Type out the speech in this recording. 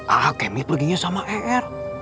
ah kemi perginya sama er